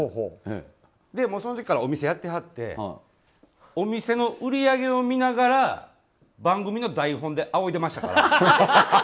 その時からお店やってはってお店の売り上げを見ながら番組の台本であおいでましたから。